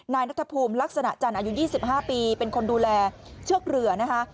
นายนัทภูมิลักษณะจันทร์อายุ๒๕ปีเป็นคนดูแลเชือกเรือนะคะ